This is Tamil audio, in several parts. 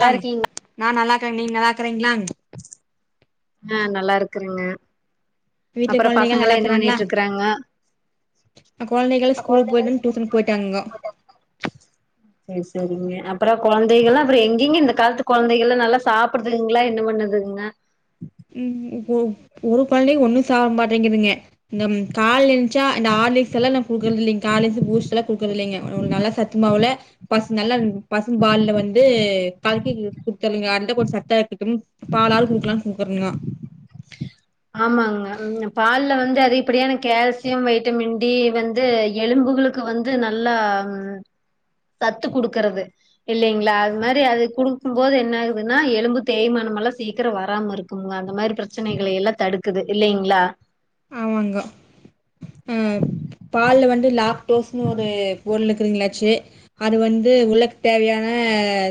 நல்லா ங்க இருக்கீங் நா நல்லாக்கறே நீங்க நல்லாக்கறீங்களாங்க ஆ நல்லா இருக்கறங்க வீட்டுல கொழ்ந்தைக நல்லாக்கறாங்களா இருக்குறாங்க ஆ கொழ்ந்தைகள் ஸ்கூக் போய்ட்டந் டியூஷனுக் போய்ட்டாங்க சேர் சேரிங்க அப்பற கொழந்தைகள்ல்லா அப்புற எங்கெங்க இந்த கால்த்து கொந்தைகள்ல்லா நல்லா சாப் புடுதுங்களா என்ன பண்ணுதுங்க ம் ஒ ஒரு கொழந்தைகங் ஒண்ணு சாப் மாட்டேங்குதுங்க இந்தம் கால்ல என்ச்ச இந்த ஆர்லிக்ஸ் எல்லா நா குக்குற்து இல்லிங் ட்டுலா குக்குற்து இல்லைங்க ஒர நல்ல சத்துமாவுல பஸ் நல்லா பசும் பால்ல வந்து கல்க்கி குத்தர்லிங்க அந்த போட் ச செத்துக்கின் பாலாது குடுக்கலான் குக்கறங்க ஓகே [unintelligible] ஆமாங்க பால்ல வந்து அதிகப்படியானா கேல்சியம் வைட்டமின் டி வந்து எலும்புகளுக் கு வந்து நல்லா சத்து குடுக்குறது இல்லைங்களா அது மாரி அது குடுக்கும்போது என்னாகுதுன்னா எலும்பு தேய்மானமெல்லா சீக்கிர வராம இருக் குங்க அந்த மாரி பிரச்சனைகளை எல்லா தடுக்குது இல்லைங்களா ஆமாங்கோ ஆ பால்ல வந்து லாக்டோஸ்னு ஒரு பொருள் இக்குதுங்களாச்சு அது வந்து உள்ளக்கு தேவையான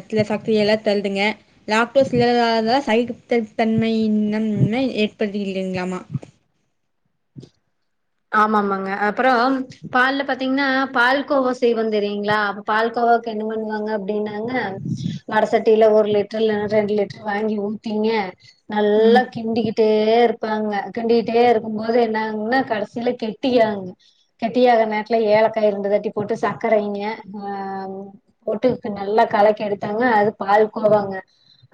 சில சக்தியெல்லா தருதுங்க லாக்டோஸ் சில இல்லாத சகித்த தன்மைையினம்ம ஏற்படுத்தீங்களாமா ஆமா ஆமாங்க அப்புறோம் பால்ல பாத்தீங்ன்னா பால் கோவா செய்வோந் தெரியீங்களா பால் கோவாவுக்கு என்ன பண்ணுவாங்க அப்டின்னாங்க வட சட்டியில ஒரு லிட்டர் இல்லைன்னா ரெண்டு லிட்டர் வாங்கி ஊத் திங்க ம் நல்லா கிண்டிக்கிட்டே இருப்பாங்க கிண்டிக்கிட்டே இருக்கும் போது என்னாகுங்ன்னா கடைசி கடைசில கெட்டியா கெட்டியாக நேரத்ல ஏலக்காய் இருண்டு தட்டி போட்டு சர்க்கரை இங்க ஆ போட்டு நல்லா கலக்க எடுத்தாங்க அது பால் கோவாங்க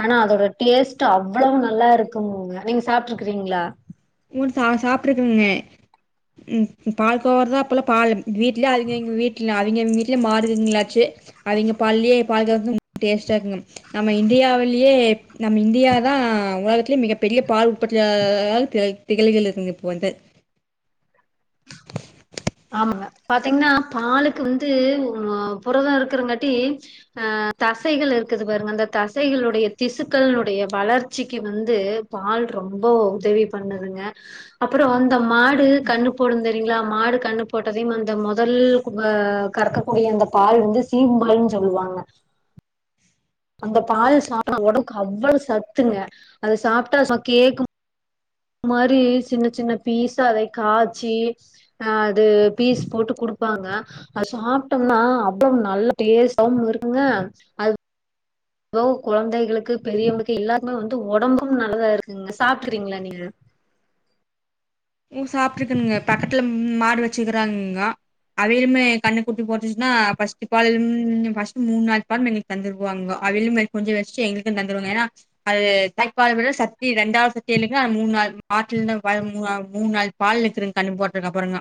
ஆனா அதோட டேஸ்ட்டு அவ்வளவு நல்லா இருக்குங்க நீங் சாப்ட்டுருக்குறீங்களா உ ச சாப்ட்ருக்குங்க ம் பால் கோவர தா அப்போல பால் வீட்ல அவுங்க அவிங் வீட்ல அவிங்க அவிங்க வீட்லேயே மாடுருங்களாச்சி அவிங்க பால்லியே பால்கோவா டேஸ்ட்டா இருக்குங்க நம்ம இந்தியாவிலியே நம்ம இந்தியா தா உலகத்திலே மிகப்பெரிய பால் உற்பத்தியா [inaudible] ள் த்து கிளைகள் இருக்குங்க இப்போ வந்து ஆமாங்க பாத்தீங்ன்னா பாலுக்கு வந்து அ புரதோ இருக்குறங்காட்டி ஆ தசைகள் இருக்குது பாருங்க அந்த தசைகளுடைய திசுக்கள்னுடைய வளர்ச்சிக்கு வந்து பால் ரொம்போ உதவி பண்ணுதுங்க அப்புறோ அந்த மாடு கண்ணு போடு தெரியுங்களா மாடு கண்ணு போட்டதையும் அந்த மொதல் ஆ கறக்கக்கூடிய அந்த பால் வந்து சீம்பால்ன் சொல்லுவாங்க அந்த பால் சாப்ப உடம்புக்கு அவ்ளவு சத்துங்க அத சாப்ட்டா கேக்கும் மாரி சின்ன சின்ன பீஸா அத காச்சி ஆ அது பீஸ் போட்டு குடுப்பாங்க அது சாப்ட்டோம்னா அவ்ளோ நல்ல டேஸ்ட்டாவும் இருக்குங்க அது ஓ கொழந்தைகளுக்கு பெரியவங்குக்கு எல்லாருக்குமே வந்து ஒடம்பும் நல்லதாருக்குங்க சாப்ட்டுகிறீங்களா நீங்க ம் சாப்ட்ருக்குனுங்க பக்கத்துல ம் மாடு வச்சுக்கறாங்க அவையளுமே கண்ணுக்குட்டி போட்டுச்ன்னா ஃபஸ்ட்டு பால் ம் ஃபஸ்ட்டு மூண்நாலு பால் தந்துடுவாங்க அவிலும் எனக்கொஞ்சொ வச் எங்களுக்கு தந்துருவாங்க ஏன்னா அது தாய்ப்பால் விட சத்தி ரெண்டாவ்து கேளுங்க ஆனா மூன்நாள் மாட்லேந் [unintelligible] மூண்நாள் பாலுஇருக்குங்க கண்ணு போட்ட அப்புறங்க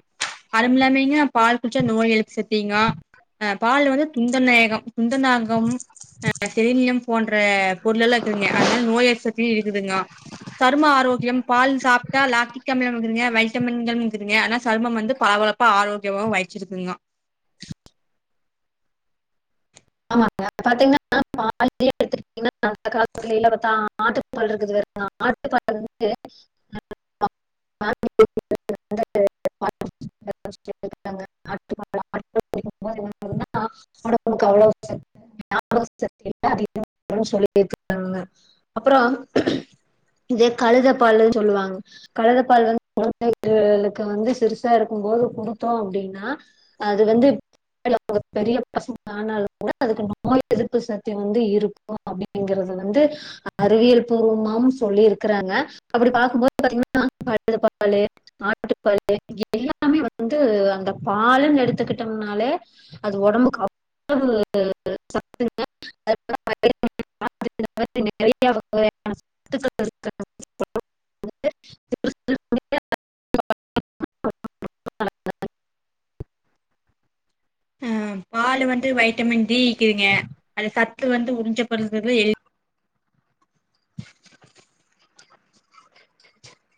அதும்மில்லாம்ங்க பால் குட்ச்சா நோய் எதிர்ப்பு சத்தீங்க அ பால் வந்து குந்தநாயக குந்தநாகம் அ செரிலியம் போன்ற பொருளலெல்லா இருக்குதுங்க அதனால் நோய் எதிப்பு சத்தி இருக்குதுங்க சரும ஆரோக்யம் பால் சாப்ட்டா லாக்டி டிக்அமிலம் இருக்குதுங்க வைட்டமின்கள்மிருக்குதுங்க னா சருமம் வந்து பளபளப்பா ஆரோக்கியமாவு வைச்சிருக்குங்க ஆமாங்க பாத்தீங்கன்னா அ பால் [unintelligible] [unintelligible] [unintelligible] [unintelligible] [unintelligible] அதிகொ சொல்லிருக்காங்க அப்ற இந்த கழுத பாலுன் சொல்லுவாங்க கழுத பால் வந்து கொழந்தைகளுக்கு வந்து சிருசா இருக்கும்போது குடுத்தோ அப்டின்னா அது வந்து [unintelligible] பெரிய பசங்க ஆனாலு அதுக்கு நோய் எதிர்ப்பு சத்தி வந்து இருக்கூ அப்டிங்கறத வந்து அறிவியல் பூர்வமாவும் சொல்லிருக்கறாங்க அப்டி பாக்குபோது பாத்திங்கனா [unintelligible] கழுதபாலு ஆட்டுப்பாலு எல்லாமே வந்து அந்த பாலுன் எடுத்துக்கிட்டம்னாலே அது ஒடம்புக்கு அவ் [unintelligible] [unintelligible] நறைய வகையான சத்துக்கள் [inaudible] ஆ பாலு வந்து வைட்டமின் டி ஈக்குதுங்க அது சத்து வந்து உறிஞ்சபடுறது எல்